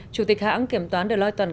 chủ tịch hãng kiểm toán ngoại truyền thống